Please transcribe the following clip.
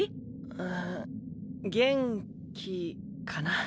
あっ元気かな？